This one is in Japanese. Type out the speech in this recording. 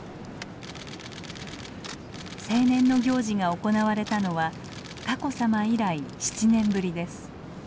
成年の行事が行われたのは佳子さま以来７年ぶりです。